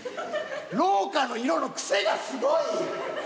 廊下の色のクセがすごい！